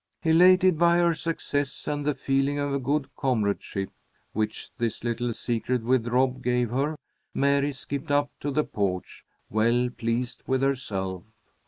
Elated by her success and the feeling of good comradeship which this little secret with Rob gave her, Mary skipped up on to the porch, well pleased with herself.